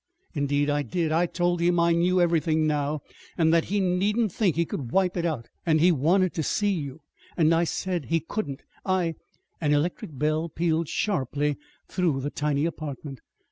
"Indeed I did! I told him I knew everything now; and that he needn't think he could wipe it out. And he wanted to see you, and I said he couldn't. I " An electric bell pealed sharply through the tiny apartment.